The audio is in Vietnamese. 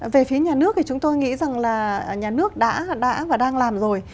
về phía nhà nước thì chúng tôi nghĩ rằng là nhà nước đã và đang làm rồi